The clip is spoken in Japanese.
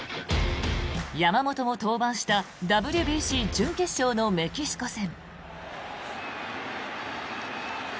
山本も登板したＷＢＣ準決勝のメキシコ戦。